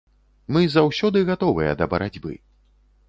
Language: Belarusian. Мы заўсёды гатовыя да барацьбы.